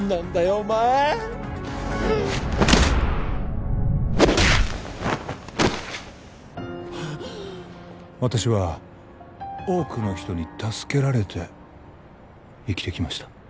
お前はあ私は多くの人に助けられて生きてきました